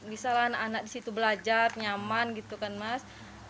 misalnya anak di situ belajar nyaman gitu kan mas